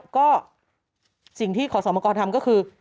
ก็สิ่งที่ขอสมกรทำก็คือ